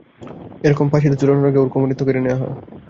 এরপর ফাঁসিতে ঝুলানোর আগে ওর কুমারীত্ব কেড়ে নেয়া হয়!